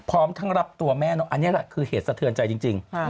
พร้อมทั้งรับตัวแม่อันนี้แหละคือเหตุสะเทือนใจจริง